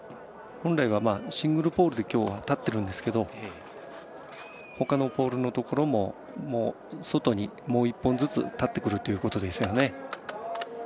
本来はシングルポールで今日は立っているんですけどほかのポールのところも外にもう１本ずつ立ってくるということですね。